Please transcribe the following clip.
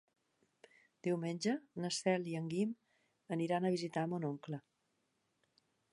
Diumenge na Cel i en Guim aniran a visitar mon oncle.